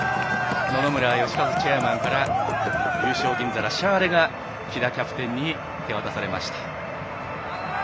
野々村芳和チェアマンから優勝銀皿、シャーレが喜田キャプテンに受け渡されました。